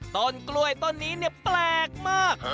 ต้นกล้วยต้นนี้เนี่ยแปลกมาก